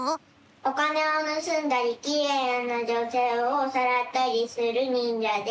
おかねをぬすんだりきれいなじょせいをさらったりするにんじゃです。